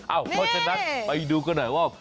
เพราะฉะนั้นไปดูกันหน่อยว่า